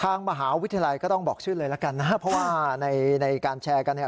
ทางมหาวิทยาลัยก็ต้องบอกชื่อเลยละกันนะครับเพราะว่าในในการแชร์กันเนี่ย